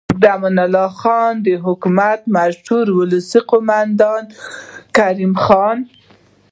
او د امان الله خان د حکومت مشهور ولسي قوماندان کریم خان